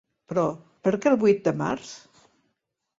Però per què el vuit de març?